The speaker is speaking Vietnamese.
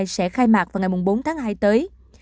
sẽ khai mạc vào ngày bốn tháng hai tới